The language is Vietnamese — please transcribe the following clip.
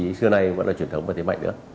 thì xưa nay vẫn là truyền thống và tiến mạnh nữa